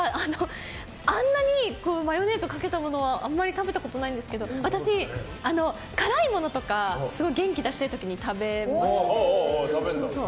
あんなにマヨネーズをかけたものを食べたことないんですけど私、辛いものとかすごい元気出したい時に食べます。